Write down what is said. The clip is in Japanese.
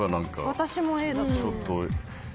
私もＡだと思う。